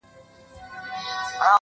• په سل ځله دي غاړي ته لونگ در اچوم ـ